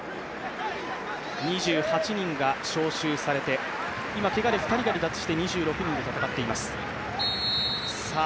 ２８人が召集されて、今けがで２人が抜けて２６人で戦っています。